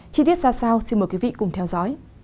chi tiết ra sao xin mời quý vị cùng theo dõi